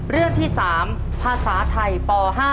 เรื่องที่๓ภาษาไทยป๕